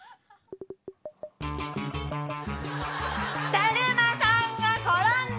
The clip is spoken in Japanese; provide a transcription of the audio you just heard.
だるまさんが転んだ！